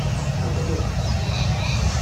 Teḍlem.